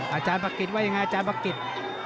อาจารย์ภักกิจว่าอย่างไรอาจารย์ภักกิจ